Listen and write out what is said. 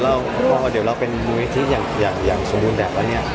เพราะว่าเราเป็นมวยเทะที่สมบูรณ์แบบนี้